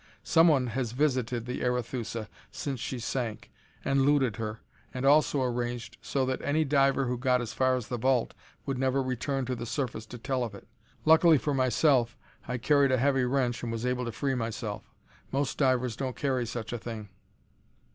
Someone has visited the Arethusa, since she sank, and looted her, and also arranged so that any diver who got as far as the vault would never return to the surface to tell of it. Luckily for myself, I carried a heavy wrench and was able to free myself. Most divers don't carry such a thing."